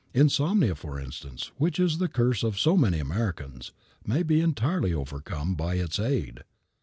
Insomnia, for instance, which is the curse of so many Americans, may be entirely overcome by its aid.